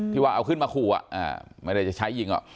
ที่ว่าเอาขึ้นมาคั่วอ่าไม่ได้จะใช้ยิงอ่ะ